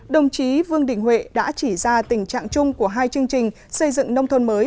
đồng chí vương đình huệ đã chỉ ra tình trạng chung của hai chương trình xây dựng nông thôn mới